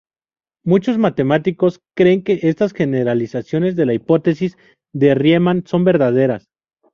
Muchos matemáticos creen que estas generalizaciones de la hipótesis de Riemann son verdaderas.